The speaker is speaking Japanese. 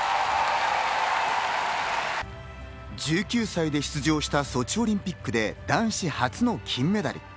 １９歳で出場したソチオリンピックで男子初の金メダル。